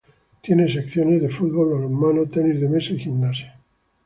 Tiene secciones de fútbol, balonmano, tenis de mesa y gimnasia.